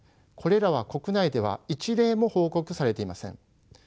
これらは国内では一例も報告されていません。